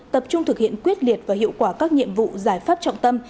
tập trung thực hiện quyết liệt và hiệu quả các nhiệm vụ giải pháp trọng tâm